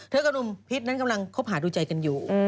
กับหนุ่มพิษนั้นกำลังคบหาดูใจกันอยู่